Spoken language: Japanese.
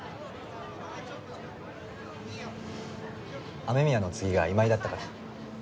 雨宮の次が今井だったから。